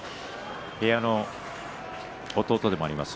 部屋の弟でもあります